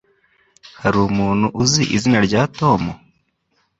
Hari umuntu uzi izina rya Tom?